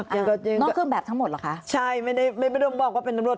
นอกเครื่องแบบทั้งหมดเหรอคะใช่ไม่ได้ไม่ได้บอกว่าเป็นตำรวจ